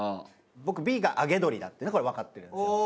僕Ｂが揚げ鶏だっていうのはこれわかってるんですよ。